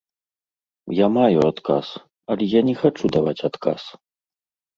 Я маю адказ, але я не хачу даваць адказ.